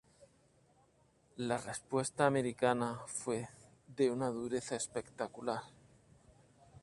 La respuesta americana fue de una dureza espectacular.